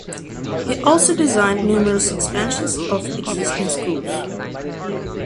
He also designed numerous expansions of existing schools.